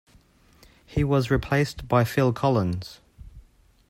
He was replaced by Phil Collins.